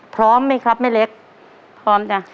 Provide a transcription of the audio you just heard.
พร้อมไหมครับแม่เล็กพร้อมจ้ะ